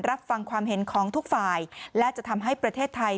รับฟังความเห็นของทุกฝ่ายและจะทำให้ประเทศไทย